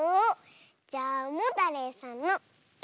じゃあモタレイさんの「イ」。